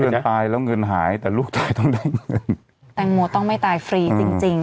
ตายแล้วเงินหายแต่ลูกชายต้องได้เงินแตงโมต้องไม่ตายฟรีจริงจริง